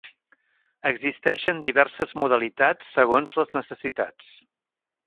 Existeix diverses modalitats segons les necessitats.